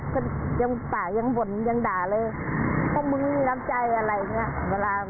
ก็ดิอ่ะก็ยังดีอ่ะคนปกติทั่วไปอ่ะ